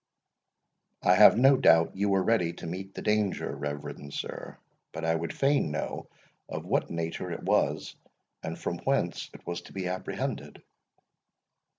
"I have no doubt you were ready to meet the danger, reverend sir; but I would fain know of what nature it was, and from whence it was to be apprehended?"